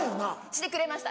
してくれました。